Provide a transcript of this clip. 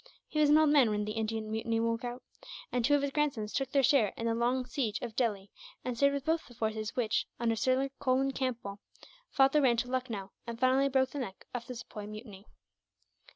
He was an old man when the Indian mutiny broke out, and two of his grandsons took their share in the long siege of Delhi, and served with both the forces which, under Sir Colin Campbell, fought their way into Lucknow, and finally broke the neck of the Sepoy mutiny.